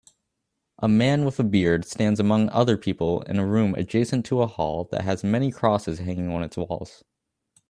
A man with a beard stands among other people in a room adjacent to a hall that has many crosses hanging on it s wall